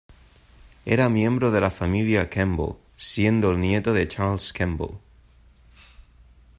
Era miembro de la Familia Kemble, siendo el nieto de Charles Kemble.